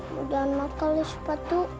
mau jangan makan nih sepatu